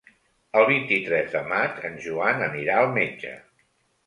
El vint-i-tres de maig en Joan anirà al metge.